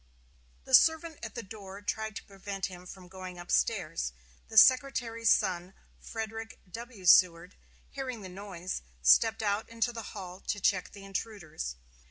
The servant at the door tried to prevent him from going up stairs; the Secretary's son, Frederick W. Seward, hearing the noise, stepped out into the hall to check the intruders.